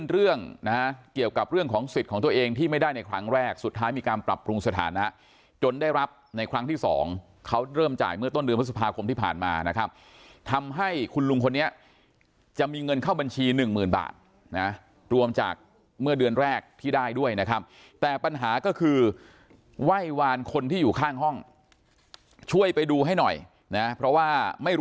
เรื่องนะฮะเกี่ยวกับเรื่องของสิทธิ์ของตัวเองที่ไม่ได้ในครั้งแรกสุดท้ายมีการปรับปรุงสถานะจนได้รับในครั้งที่สองเขาเริ่มจ่ายเมื่อต้นเดือนพฤษภาคมที่ผ่านมานะครับทำให้คุณลุงคนนี้จะมีเงินเข้าบัญชีหนึ่งหมื่นบาทนะรวมจากเมื่อเดือนแรกที่ได้ด้วยนะครับแต่ปัญหาก็คือไหว้วานคนที่อยู่ข้างห้องช่วยไปดูให้หน่อยนะเพราะว่าไม่รู้